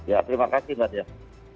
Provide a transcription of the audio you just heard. ya terima kasih mbak